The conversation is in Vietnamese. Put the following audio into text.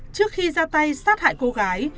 trước khi ra tay sát hại cô gái